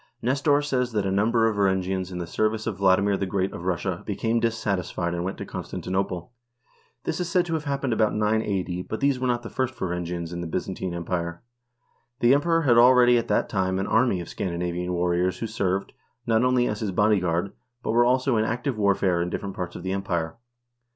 Nestor says that a number of Varangians in the service of Vladimir the Great of Russia became dissatisfied and went to Constantinople. This is said to have happened about 980, but these were not the first Varan gians in the Byzantine Empire. The Emperor had already at that time an army of Scandinavian warriors who served, not only as his bodyguard] but were also used in active warfare in different parts of the Empire.